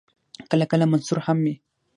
کله کله منثور هم وي.